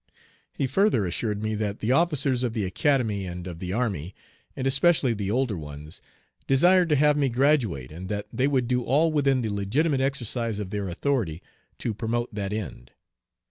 He further assured me that the officers of the Academy and of the army, and especially the older ones, desired to have me graduate, and that they would do all within the legitimate exercise of their authority to promote that end.